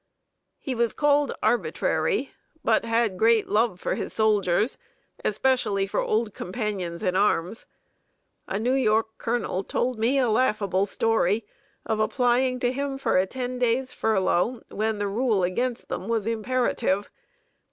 He was called arbitrary, but had great love for his soldiers, especially for old companions in arms. A New York colonel told me a laughable story of applying to him for a ten days' furlough, when the rule against them was imperative.